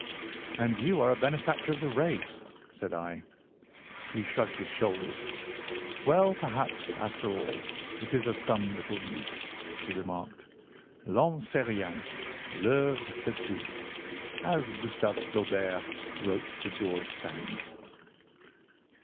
"And you are a benefactor of the race," said I. He shrugged his shoulders. "Well, perhaps, after all, it is of some little use," he remarked. "'L'homme c'est rien—l'œuvre c'est tout,' as Gustave Flaubert wrote to George Sand."